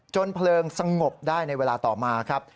เพลิงสงบได้ในเวลาต่อมาครับ